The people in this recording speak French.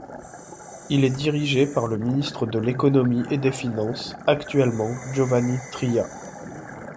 Il est dirigé par le ministre de l'Économie et des Finances, actuellement Giovanni Tria.